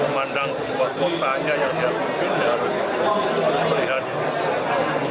memandang sebuah kota aja yang tidak harus diharapkan